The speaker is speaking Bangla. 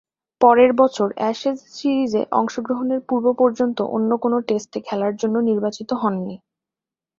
পরের বছর অ্যাশেজ সিরিজে অংশগ্রহণের পূর্ব-পর্যন্ত অন্য কোন টেস্টে খেলার জন্য নির্বাচিত হননি।